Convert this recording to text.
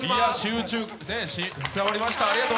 集中、伝わりました。